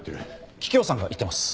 桔梗さんが行ってます。